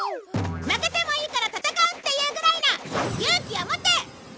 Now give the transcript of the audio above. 負けてもいいから戦う！っていうぐらいの勇気を持て！